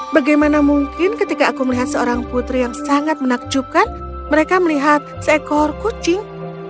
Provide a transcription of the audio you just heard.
bagaimana mungkin ketika aku melihat seorang putri yang sangat menakjubkan mereka melihat seekor kucing